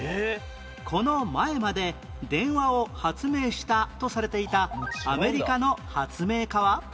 この前まで電話を発明したとされていたアメリカの発明家は？